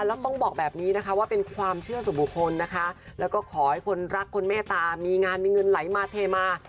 แล้วต้องบอกแบบนี้นะคะว่าเป็นความเชื่อสู่บุคคลนะคะแล้วก็ขอให้คนรักคนเมตตามีงานมีเงินไหลมาเทมา